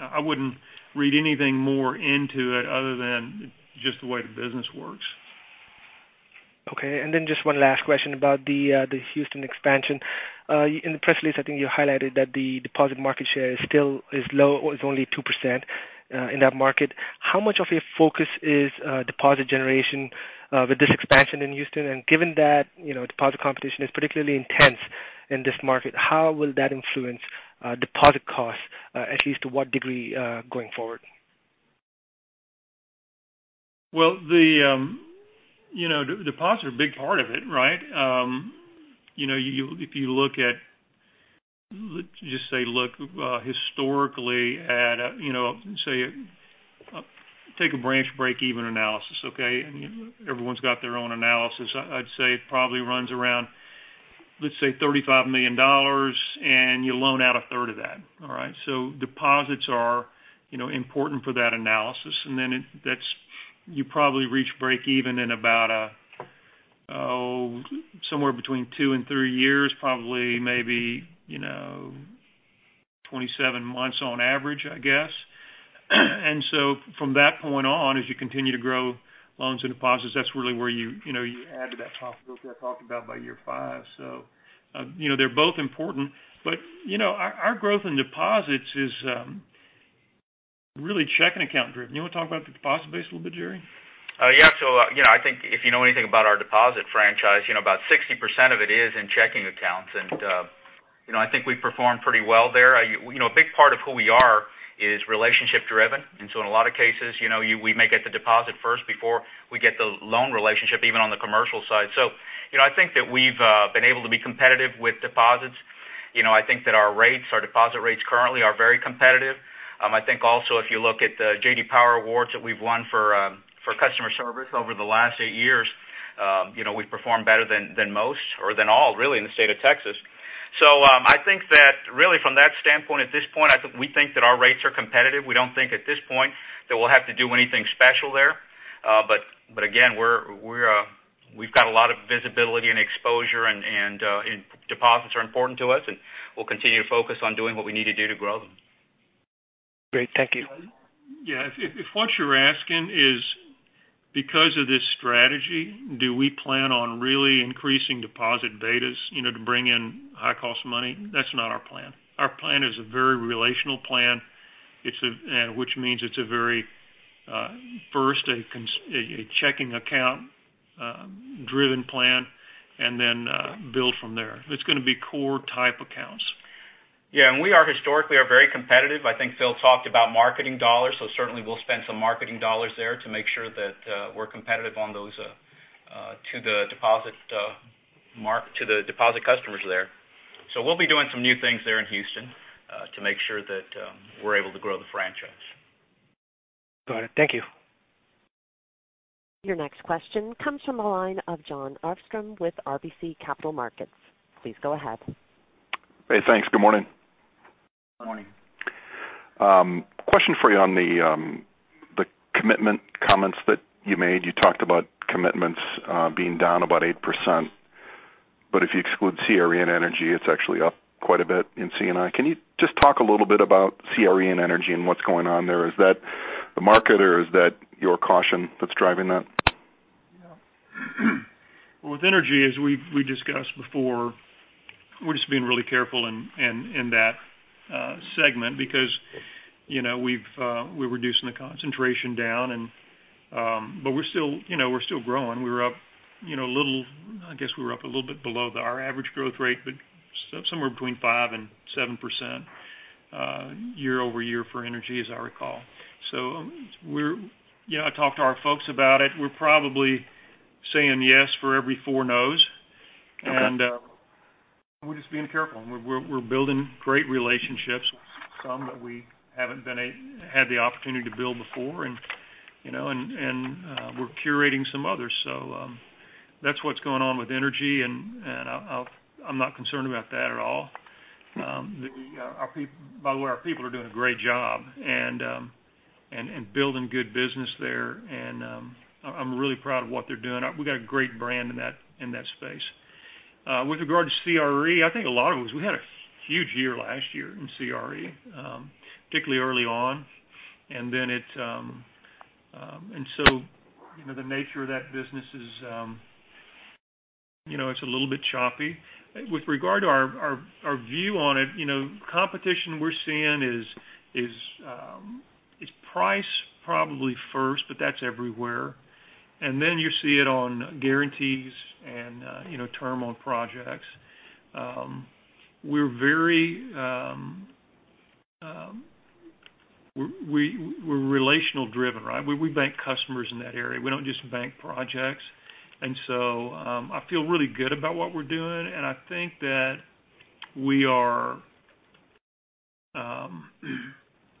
I wouldn't read anything more into it other than just the way the business works. Okay, just one last question about the Houston expansion. In the press release, I think you highlighted that the deposit market share still is only 2% in that market. How much of your focus is deposit generation with this expansion in Houston? Given that deposit competition is particularly intense in this market, how will that influence deposit costs, at least to what degree going forward? Well, deposits are a big part of it, right? If you look at, just say, look historically at, take a branch breakeven analysis, okay? Everyone's got their own analysis. I'd say it probably runs around, let's say, $35 million, and you loan out a third of that, all right? Deposits are important for that analysis, you probably reach breakeven in about somewhere between two and three years, probably maybe 27 months on average, I guess. From that point on, as you continue to grow loans and deposits, that's really where you add to that profitability I talked about by year five. They're both important, but our growth in deposits is really checking account driven. You want to talk about the deposit base a little bit, Jerry? Yeah. I think if you know anything about our deposit franchise, about 60% of it is in checking accounts, I think we perform pretty well there. A big part of who we are is relationship driven, in a lot of cases, we may get the deposit first before we get the loan relationship, even on the commercial side. I think that we've been able to be competitive with deposits. I think that our deposit rates currently are very competitive. I think also, if you look at the J.D. Power Awards that we've won for customer service over the last eight years, we've performed better than most or than all, really, in the state of Texas. I think that really from that standpoint, at this point, we think that our rates are competitive. We don't think at this point that we'll have to do anything special there. Again, we've got a lot of visibility and exposure, deposits are important to us, we'll continue to focus on doing what we need to do to grow them. Great. Thank you. If what you're asking is because of this strategy, do we plan on really increasing deposit betas to bring in high cost money, that's not our plan. Our plan is a very relational plan, which means it's a very, first, a checking account driven plan, and then build from there. It's going to be core type accounts. We are historically very competitive. I think Phil talked about marketing dollars, so certainly we'll spend some marketing dollars there to make sure that we're competitive on those to the deposit customers there. We'll be doing some new things there in Houston to make sure that we're able to grow the franchise. Got it. Thank you. Your next question comes from the line of Jon Arfstrom with RBC Capital Markets. Please go ahead. Hey, thanks. Good morning. Morning. Question for you on the commitment comments that you made. You talked about commitments being down about 8%, but if you exclude CRE and energy, it's actually up quite a bit in C&I. Can you just talk a little bit about CRE and energy and what's going on there? Is that the market or is that your caution that's driving that? With energy, as we discussed before, we're just being really careful in that segment because we're reducing the concentration down, but we're still growing. I guess we were up a little bit below our average growth rate, but somewhere between 5% and 7% year-over-year for energy, as I recall. I talked to our folks about it. We're probably saying yes for every four noes. Okay. We're just being careful. We're building great relationships with some that we haven't had the opportunity to build before. We're curating some others. That's what's going on with energy. I'm not concerned about that at all. By the way, our people are doing a great job and building good business there. I'm really proud of what they're doing. We've got a great brand in that space. With regard to CRE, I think a lot of it was we had a huge year last year in CRE, particularly early on. The nature of that business is it's a little bit choppy. With regard to our view on it, competition we're seeing is price probably first, but that's everywhere. You see it on guarantees and term on projects. We're relational driven, right? We bank customers in that area. We don't just bank projects. I feel really good about what we're doing, and I think that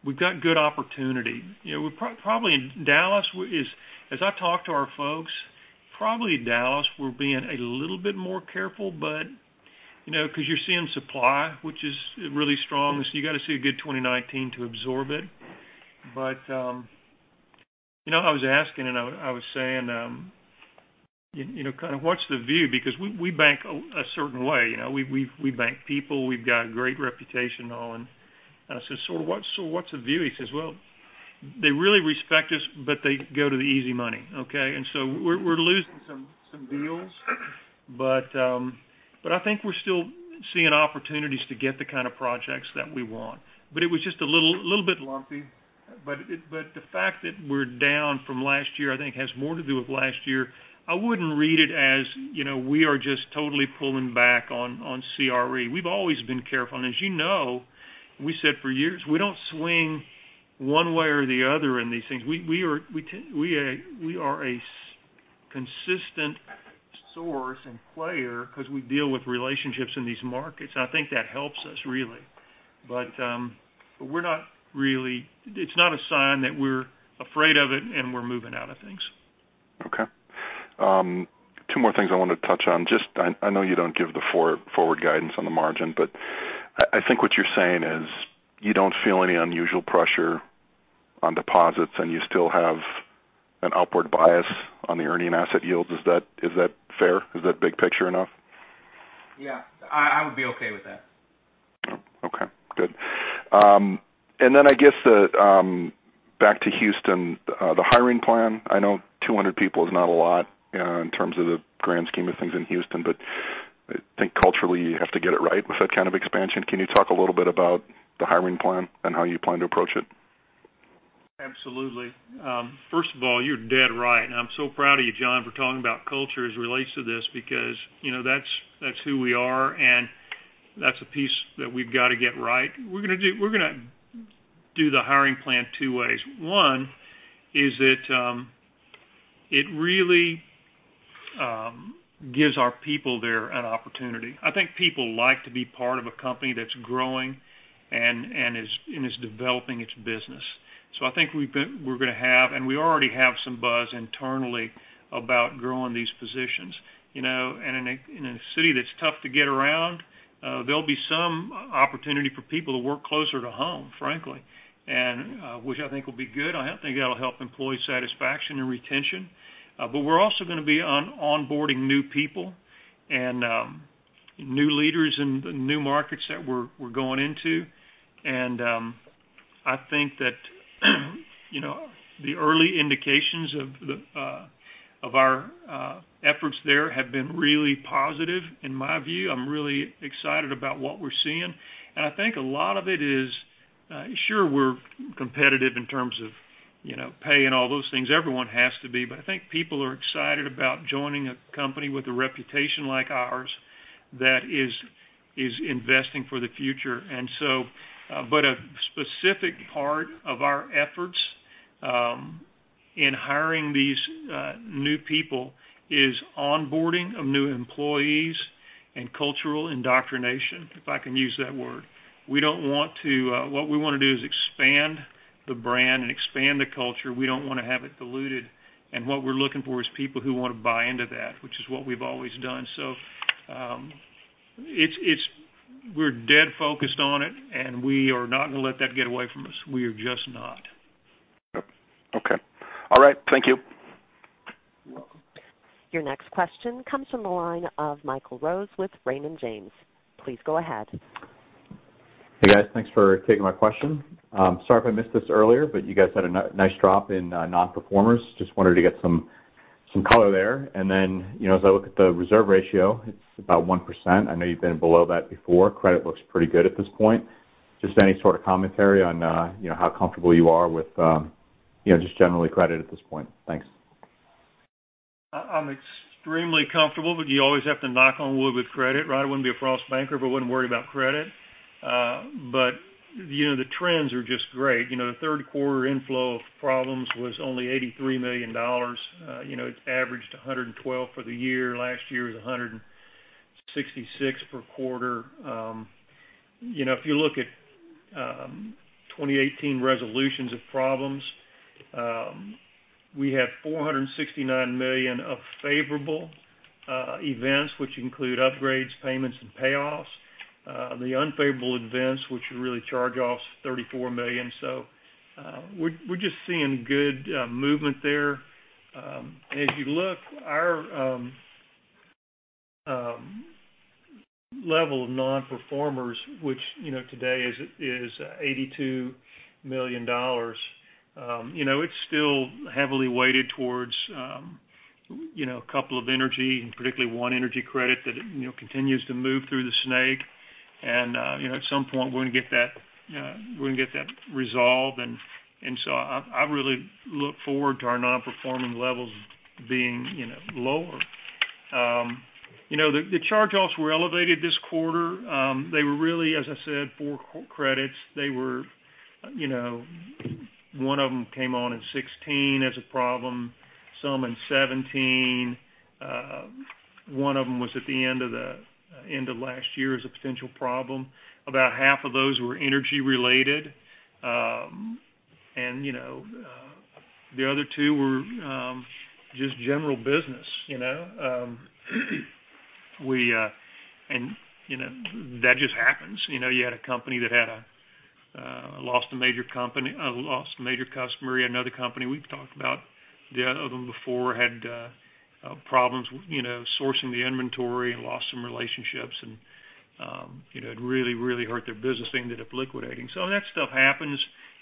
we've got good opportunity. As I talk to our folks, probably in Dallas, we're being a little bit more careful, because you're seeing supply, which is really strong. You got to see a good 2019 to absorb it. I was asking and I was saying, kind of, what's the view? Because we bank a certain way. We bank people. We've got a great reputation on. I said, "So what's the view?" He says, "Well, they really respect us, but they go to the easy money." Okay? We're losing some deals, but I think we're still seeing opportunities to get the kind of projects that we want. It was just a little bit lumpy, but the fact that we're down from last year, I think has more to do with last year. I wouldn't read it as we are just totally pulling back on CRE. We've always been careful. As you know, we said for years, we don't swing one way or the other in these things. We are a consistent source and player because we deal with relationships in these markets, and I think that helps us really. It's not a sign that we're afraid of it and we're moving out of things. Okay. Two more things I want to touch on. I know you don't give the forward guidance on the margin, but I think what you're saying is you don't feel any unusual pressure on deposits, and you still have an upward bias on the earning asset yields. Is that fair? Is that big picture enough? Yeah, I would be okay with that. Oh, okay. Good. Then I guess back to Houston, the hiring plan, I know 200 people is not a lot in terms of the grand scheme of things in Houston, but I think culturally you have to get it right with that kind of expansion. Can you talk a little bit about the hiring plan and how you plan to approach it? Absolutely. First of all, you're dead right, and I'm so proud of you, Jon, for talking about culture as it relates to this because that's who we are, and that's a piece that we've got to get right. We're going to do the hiring plan two ways. One is that it really gives our people there an opportunity. I think people like to be part of a company that's growing and is developing its business. I think we're going to have, and we already have some buzz internally about growing these positions. In a city that's tough to get around, there'll be some opportunity for people to work closer to home, frankly, which I think will be good. I think it'll help employee satisfaction and retention. We're also going to be on onboarding new people and new leaders in the new markets that we're going into. I think that the early indications of our efforts there have been really positive in my view. I'm really excited about what we're seeing. I think a lot of it is, sure, we're competitive in terms of pay and all those things. Everyone has to be. I think people are excited about joining a company with a reputation like ours that is investing for the future. A specific part of our efforts in hiring these new people is onboarding of new employees and cultural indoctrination, if I can use that word. What we want to do is expand the brand and expand the culture. We don't want to have it diluted, and what we're looking for is people who want to buy into that, which is what we've always done. We're dead focused on it, and we are not going to let that get away from us. We are just not. Yep. Okay. All right. Thank you. You're welcome. Your next question comes from the line of Michael Rose with Raymond James. Please go ahead. Hey, guys. Thanks for taking my question. Sorry if I missed this earlier. You guys had a nice drop in non-performers. Just wanted to get some color there. As I look at the reserve ratio, it's about 1%. I know you've been below that before. Credit looks pretty good at this point. Just any sort of commentary on how comfortable you are with just generally credit at this point. Thanks. I'm extremely comfortable, but you always have to knock on wood with credit, right? I wouldn't be a Frost banker if I wouldn't worry about credit. The trends are just great. The third quarter inflow of problems was only $83 million. It's averaged $112 million for the year. Last year was $166 million per quarter. If you look at 2018 resolutions of problems, we had $469 million of favorable events, which include upgrades, payments, and payoffs. The unfavorable events, which are really charge-offs, $34 million. We're just seeing good movement there. If you look, our level of non-performers, which today is $82 million, it's still heavily weighted towards a couple of energy, and particularly one energy credit that continues to move through the Special Mention Asset, and at some point, we're going to get that resolved. I really look forward to our non-performing levels being lower. The charge-offs were elevated this quarter. They were really, as I said, four credits. One of them came on in 2016 as a problem, some in 2017. One of them was at the end of last year as a potential problem. About half of those were energy-related. The other two were just general business. That just happens. You had a company that lost a major customer. Another company, we've talked about the other one before, had problems sourcing the inventory and lost some relationships, and it really, really hurt their business, ended up liquidating. That stuff happens.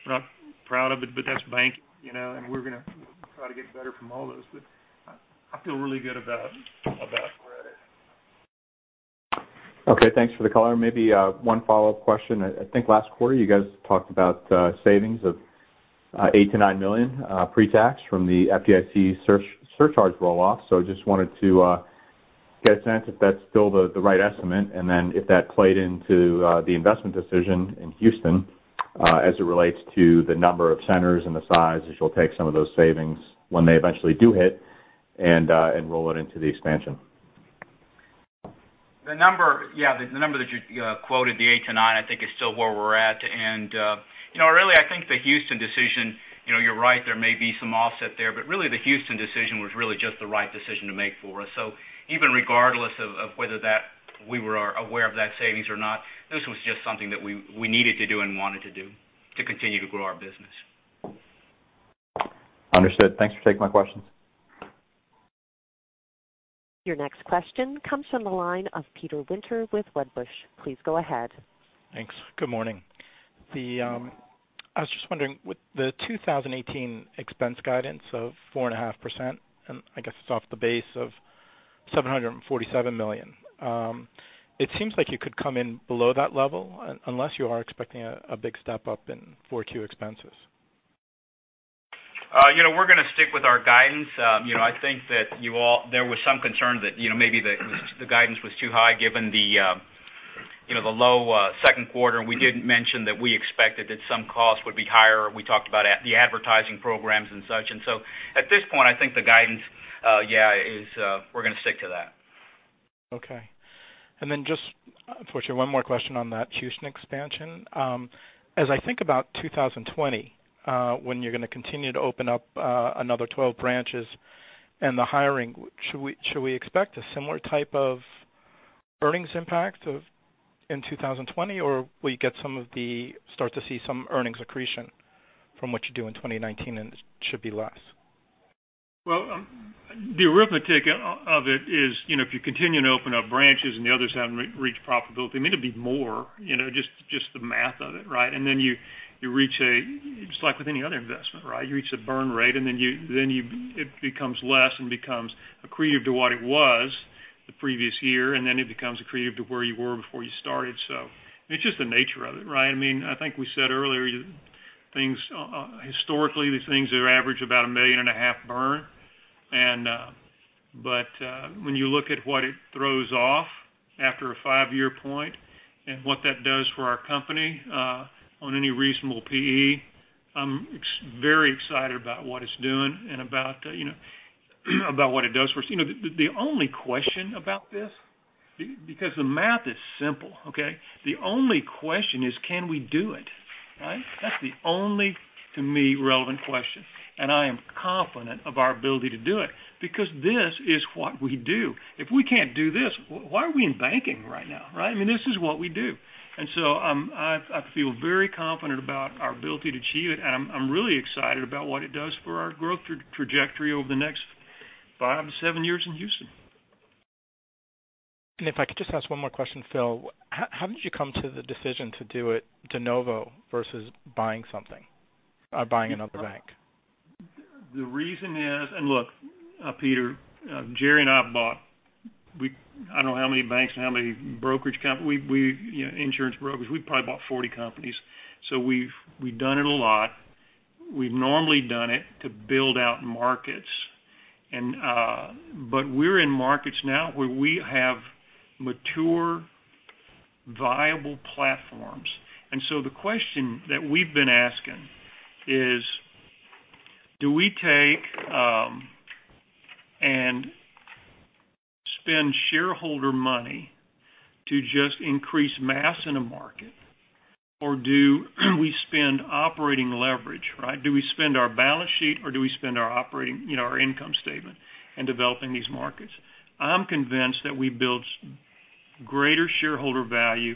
We're not proud of it, but that's banking, and we're going to try to get better from all those, but I feel really good about credit. Okay. Thanks for the color. Maybe one follow-up question. I think last quarter, you guys talked about savings of $8 million-$9 million pre-tax from the FDIC surcharge roll-off. Just wanted to get a sense if that's still the right estimate, and then if that played into the investment decision in Houston as it relates to the number of centers and the size, if you'll take some of those savings when they eventually do hit and roll it into the expansion. The number that you quoted, the eight to nine, I think is still where we're at. Really, I think the Houston decision, you're right, there may be some offset there, but really, the Houston decision was really just the right decision to make for us. Even regardless of whether we were aware of that savings or not, this was just something that we needed to do and wanted to do to continue to grow our business. Understood. Thanks for taking my questions. Your next question comes from the line of Peter Winter with Wedbush. Please go ahead. Thanks. Good morning. I was just wondering with the 2018 expense guidance of 4.5%. I guess it's off the base of $747 million. It seems like you could come in below that level unless you are expecting a big step up in 4Q expenses. We're going to stick with our guidance. I think that there was some concern that maybe the guidance was too high given the low second quarter, and we did mention that we expected that some costs would be higher. We talked about the advertising programs and such. At this point, I think the guidance, yeah, we're going to stick to that. Okay. Just for sure, one more question on that Houston expansion. As I think about 2020, when you're going to continue to open up another 12 branches and the hiring, should we expect a similar type of earnings impact in 2020, or will you start to see some earnings accretion from what you do in 2019 and it should be less? Well, the arithmetic of it is, if you continue to open up branches and the others haven't reached profitability, I mean, it'll be more, just the math of it, right? You reach a-- just like with any other investment, right? You reach a burn rate, and then it becomes less and becomes accretive to what it was the previous year, and then it becomes accretive to where you were before you started. It's just the nature of it, right? I think we said earlier, historically, these things average about a million and a half burn. When you look at what it throws off after a five-year point and what that does for our company on any reasonable PE, I'm very excited about what it's doing and about what it does for us. The only question about this, because the math is simple, okay? The only question is, can we do it, right? That's the only, to me, relevant question, and I am confident of our ability to do it because this is what we do. If we can't do this, why are we in banking right now, right? I mean, this is what we do. I feel very confident about our ability to achieve it, and I'm really excited about what it does for our growth trajectory over the next 5-7 years in Houston. If I could just ask one more question, Phil, how did you come to the decision to do it de novo versus buying something or buying another bank? The reason is, look, Peter, Jerry and I bought, I don't know how many banks and how many brokerage companies, insurance brokers, we probably bought 40 companies. We've done it a lot. We've normally done it to build out markets. We're in markets now where we have mature, viable platforms. The question that we've been asking is, do we take and spend shareholder money to just increase mass in a market, or do we spend operating leverage, right? Do we spend our balance sheet, or do we spend our income statement in developing these markets? I'm convinced that we build greater shareholder value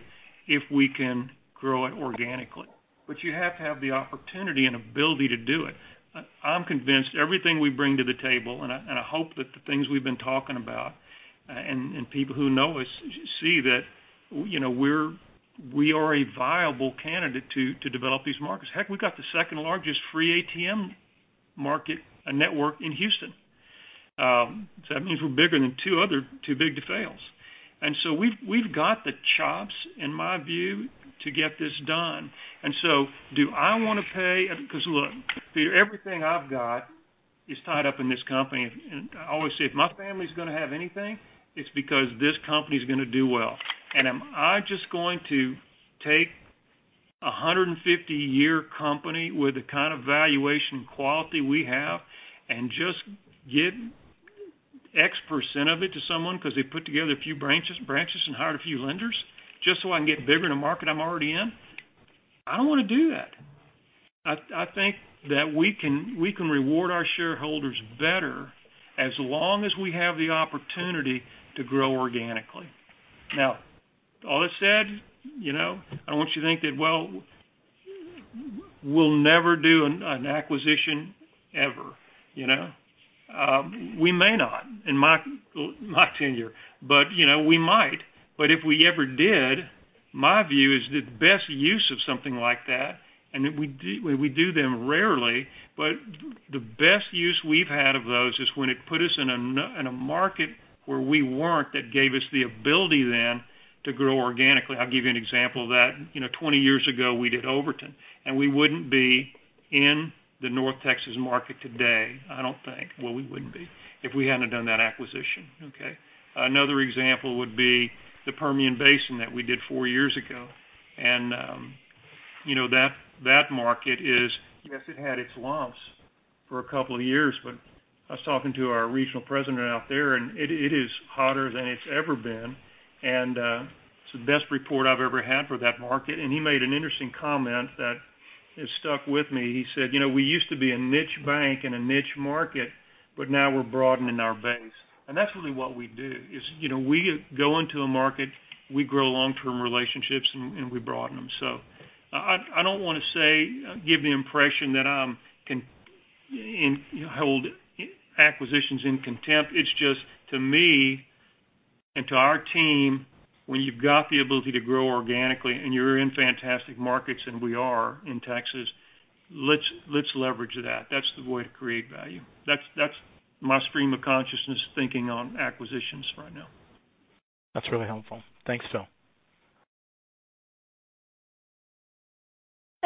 if we can grow it organically. You have to have the opportunity and ability to do it. I'm convinced everything we bring to the table, and I hope that the things we've been talking about, and people who know us see that we are a viable candidate to develop these markets. Heck, we got the second-largest free ATM market network in Houston. That means we're bigger than two big fails. We've got the chops, in my view, to get this done. Do I want to pay-- because look, everything I've got is tied up in this company. I always say, if my family's going to have anything, it's because this company's going to do well. Am I just going to take a 150-year company with the kind of valuation quality we have and just give X percent of it to someone because they put together a few branches and hired a few lenders just so I can get bigger in a market I'm already in? I don't want to do that. I think that we can reward our shareholders better as long as we have the opportunity to grow organically. All that said, I don't want you to think that, well, we'll never do an acquisition ever. We may not in my tenure, but we might. If we ever did, my view is that the best use of something like that, and we do them rarely, but the best use we've had of those is when it put us in a market where we weren't that gave us the ability then to grow organically. I'll give you an example of that. 20 years ago, we did Overton, and we wouldn't be in the North Texas market today, I don't think, well, we wouldn't be, if we hadn't done that acquisition, okay? Another example would be the Permian Basin that we did four years ago, and that market is, yes, it had its lumps for a couple of years, but I was talking to our regional president out there, and it is hotter than it's ever been, and it's the best report I've ever had for that market. He made an interesting comment that it stuck with me. He said, "We used to be a niche bank in a niche market, but now we're broadening our base." That's really what we do, is we go into a market, we grow long-term relationships, and we broaden them. I don't want to give the impression that I hold acquisitions in contempt. It's just, to me and to our team, when you've got the ability to grow organically and you're in fantastic markets, and we are in Texas, let's leverage that. That's the way to create value. That's my stream of consciousness thinking on acquisitions right now. That's really helpful. Thanks, Phil.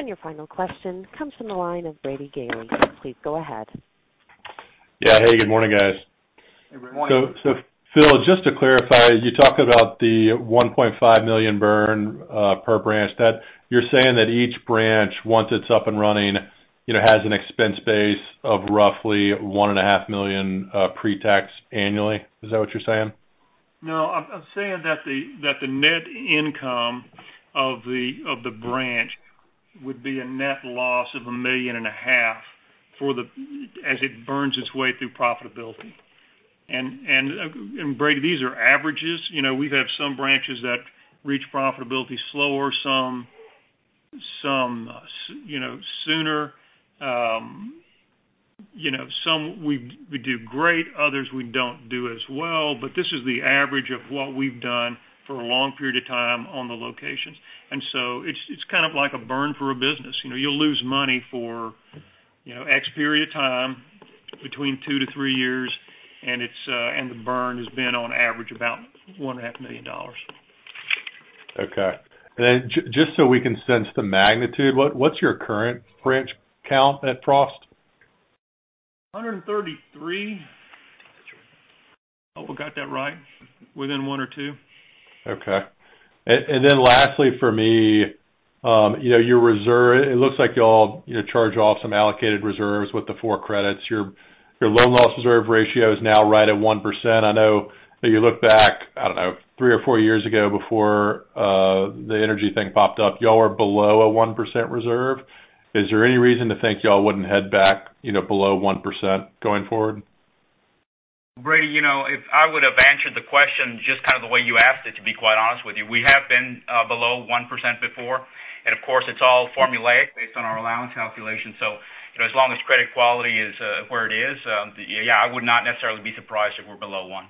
Your final question comes from the line of Brady Gailey. Please go ahead. Yeah. Hey, good morning, guys. Hey, good morning. Phil, just to clarify, you talked about the $1.5 million burn per branch. You're saying that each branch, once it's up and running, has an expense base of roughly $1.5 million pre-tax annually. Is that what you're saying? No, I'm saying that the net income of the branch would be a net loss of a million and a half as it burns its way through profitability. Brady, these are averages. We have some branches that reach profitability slower, some sooner. Some we do great, others we don't do as well, this is the average of what we've done for a long period of time on the locations. It's kind of like a burn for a business. You'll lose money for X period of time, between two to three years, and the burn has been on average about $1.5 million. Okay. Just so we can sense the magnitude, what's your current branch count at Frost? 133. Hope I got that right, within one or two. Okay. Lastly for me, it looks like you all charge off some allocated reserves with the four credits. Your loan loss reserve ratio is now right at 1%. I know if you look back, I don't know, three or four years ago before the energy thing popped up, you all were below a 1% reserve. Is there any reason to think you all wouldn't head back below 1% going forward? Brady, if I would've answered the question just kind of the way you asked it, to be quite honest with you, we have been below 1% before, and of course, it's all formulaic based on our allowance calculation. As long as credit quality is where it is, yeah, I would not necessarily be surprised if we're below one.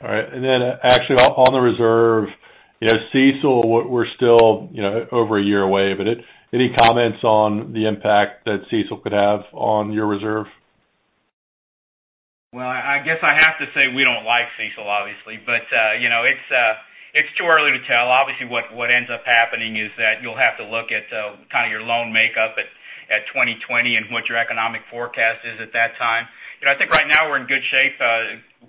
Then actually on the reserve, CECL, we're still over a year away, any comments on the impact that CECL could have on your reserve? Well, I guess I have to say we don't like CECL, obviously. It's too early to tell. Obviously, what ends up happening is that you'll have to look at kind of your loan makeup at 2020 and what your economic forecast is at that time. I think right now we're in good shape.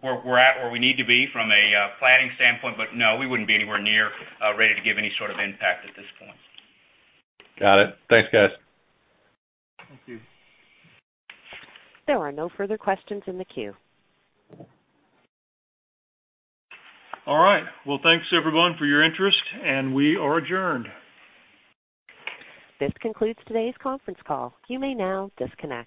We're at where we need to be from a planning standpoint, no, we wouldn't be anywhere near ready to give any sort of impact at this point. Got it. Thanks, guys. Thank you. There are no further questions in the queue. All right. Well, thanks everyone for your interest, and we are adjourned. This concludes today's conference call. You may now disconnect.